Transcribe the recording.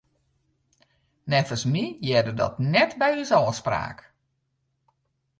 Neffens my hearde dat net by ús ôfspraak.